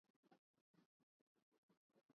Klaus Holighaus was born in Eibelshausen, Germany.